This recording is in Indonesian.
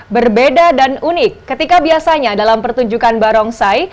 berbeda dan unik ketika biasanya dalam pertunjukan barongsai